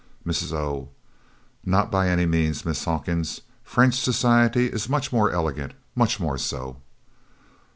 Mrs. O. "Not by any means, Miss Hawkins! French society is much more elegant much more so."